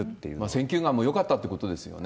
選球眼もよかったということですよね。